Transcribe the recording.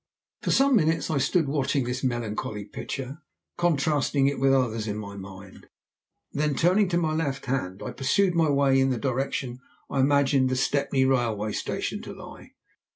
For some minutes I stood watching this melancholy picture, contrasting it with others in my mind. Then turning to my left hand I pursued my way in the direction I imagined the Stepney railway station to lie.